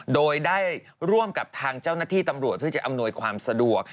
โดยได้ร่วมกับทางเจ้าหน้าที่ตำรวจเพื่อจะอำนวยความสะดวก